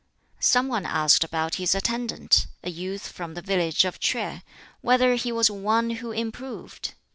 Some one asked about his attendant a youth from the village of Kiueh whether he was one who improved.